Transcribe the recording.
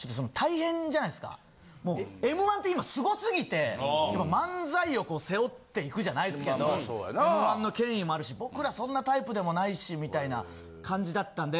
『Ｍ−１』って今すご過ぎて漫才を背負っていくじゃないっすけど『Ｍ−１』の権威もあるし僕らそんなタイプでもないしみたいな感じだったんで。